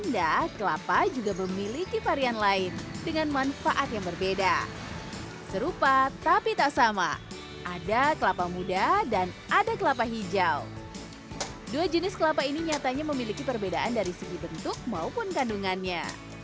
dua jenis kelapa ini nyatanya memiliki perbedaan dari segi bentuk maupun kandungannya